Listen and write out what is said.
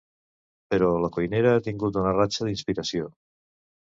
Però la cuinera ha tingut una ratxa d'inspiració.